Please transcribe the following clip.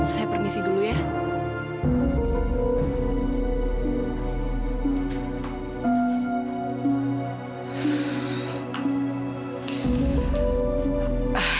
saya permisi dulu ya